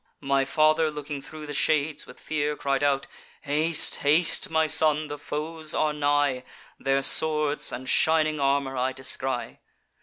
My father, looking thro' the shades, with fear, Cried out: 'Haste, haste, my son, the foes are nigh; Their swords and shining armour I descry.